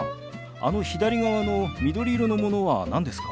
あの左側の緑色のものは何ですか？